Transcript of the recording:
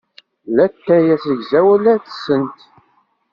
D atay azegzaw ay la tettessem?